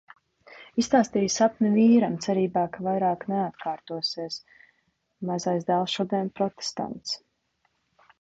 Izstāstīju sapni vīram cerībā, ka vairāk neatkārtosies. Mazais dēls šodien protestants.